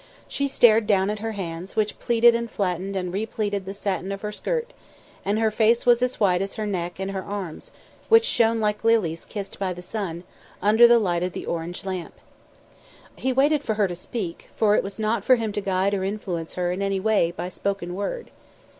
She stared down at her hands, which pleated and flattened and re pleated the satin of her skirt, and her face was as white as her neck and her arms, which shone like lilies kissed by the sun, under the light of the orange lamp. He waited for her to speak, for it was not for him to guide or influence her in any way by spoken word.